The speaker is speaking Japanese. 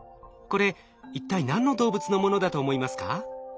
これ一体何の動物のものだと思いますか？